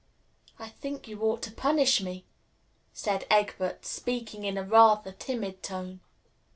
"I think you ought to punish me," said Egbert, speaking in rather a timid tone.